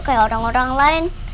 kayak orang orang lain